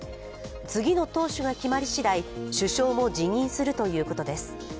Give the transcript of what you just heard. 次の党首が決まりしだい首相も辞任するということです。